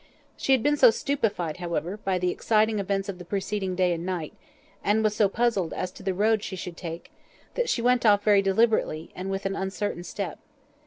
She had been so stupefied, however, by the exciting events of the preceding day and night, and was so puzzled as to the road she should take, that she went off very deliberately, and with an uncertain step.